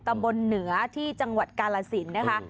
ตำบลเหนือที่จังหวัดกาลสินนะคะ